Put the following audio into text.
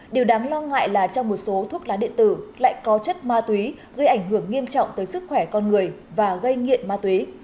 điều đáng lo ngại là trong một số thuốc lá điện tử lại có chất ma túy gây ảnh hưởng nghiêm trọng tới sức khỏe con người và gây nghiện ma túy